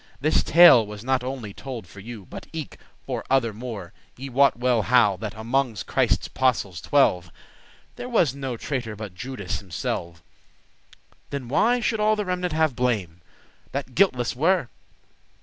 This tale was not only told for you, But eke for other more; ye wot well how That amonges Christe's apostles twelve There was no traitor but Judas himselve; Then why should all the remenant have blame, That guiltless were?